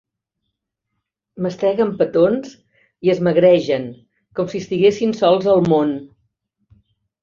Masteguen petons i es magregen, com si estiguessin sols al món.